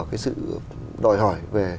cái sự đòi hỏi về